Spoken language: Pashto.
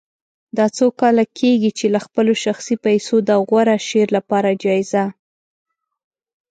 دا څو کاله کېږي چې له خپلو شخصي پیسو د غوره شعر لپاره جایزه